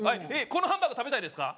このハンバーグ食べたいですか？